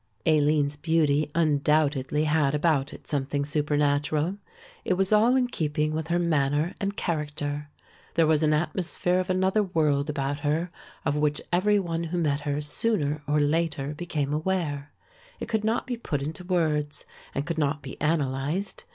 Aline's beauty undoubtedly had about it something supernatural. It was all in keeping with her manner and character. There was an atmosphere of another world about her of which every one who met her sooner or later became aware. It could not be put into words and could not be analysed.